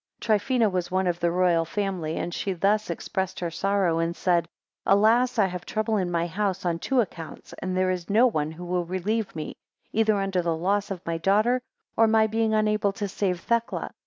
Trifina was one of the royal family; and she thus expressed her sorrow, and said; Alas! I have trouble in my house on two accounts, and there is no one who will relieve me, either under the loss of my daughter, or my being unable to save Thecla.